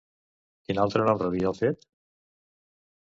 Quin altre nom rebia el fet?